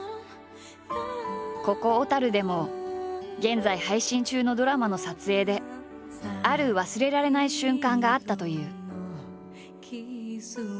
ここ小でも現在配信中のドラマの撮影である忘れられない瞬間があったという。